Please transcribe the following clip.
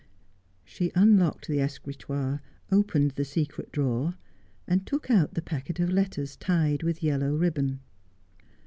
She unlocked the escritoire, opened the secret drawer, and took out the packet of letters tied with yellow ribbon.